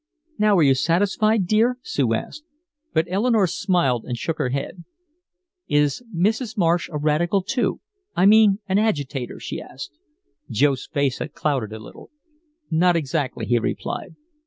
"Now are you satisfied, dear?" Sue asked. But Eleanore smiled and shook her head. "Is Mrs. Marsh a radical, too I mean an agitator?" she asked. Joe's face had clouded a little. "Not exactly," he replied.